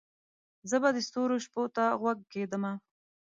زه به د ستورو شپو ته غوږ کښېږدمه